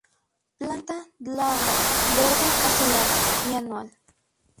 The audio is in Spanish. Planta glabra, verde azulada, anual.